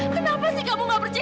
kenapa sih kamu gak percaya